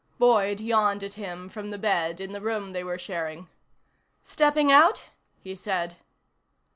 Boyd yawned at him from the bed in the room they were sharing. "Stepping out?" he said.